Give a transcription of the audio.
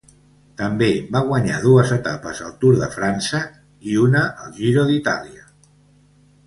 També va guanyar dues etapes al Tour de França i una al Giro d'Itàlia.